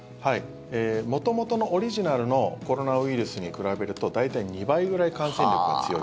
元々のオリジナルのコロナウイルスに比べると大体２倍くらい感染力が強い。